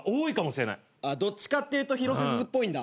どっちかっていうと広瀬すずっぽいんだ。